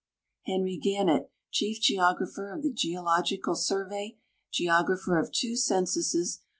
Henry Gannett, Chief Geographer of the Geological Survey, Geographer of two censuses.